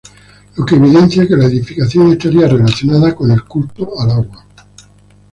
Lo que evidencia que la edificación estaría relacionada con el culto al agua.